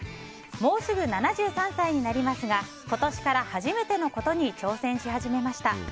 もうすぐ７３歳になりますが今年から初めてのことに挑戦し始めました。